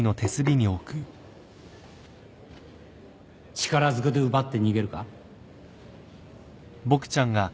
力ずくで奪って逃げるか？